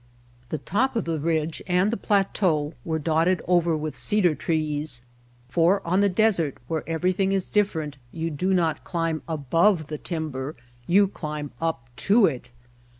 The top of the ridge and the plateau were dotted over with cedar trees, for on the desert, where everything is dif ferent, you do not climb above the timber, you climb up to it.